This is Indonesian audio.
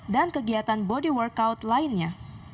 dan kegiatan body workout lainnya